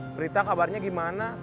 berita kabarnya gimana